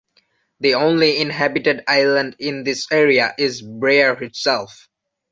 The only inhabited island in this area is Bryher itself.